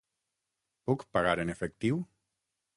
Puc pagar en efectiu?